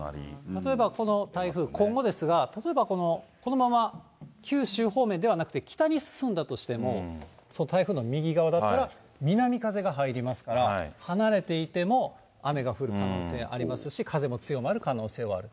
例えばこの台風、今後ですが、例えばこのまま九州方面ではなくて、北に進んだとしても、その台風の右側だったら、南風が入りますから、離れていても雨が降る可能性ありますし、風も強まる可能性はある。